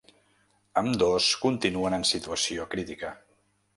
Ambdós continuen en situació crítica.